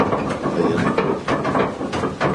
а я напротив.